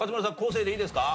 生でいいですか？